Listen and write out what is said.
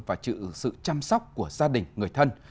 và chịu sự chăm sóc của gia đình người thân